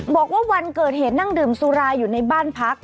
บอกว่าวันเกิดเหตุนั่งดื่มสุราอยู่ในบ้านพัก